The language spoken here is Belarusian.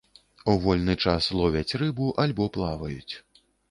У вольны час ловяць рыбу альбо плаваюць.